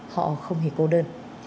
họ không hề cô đơn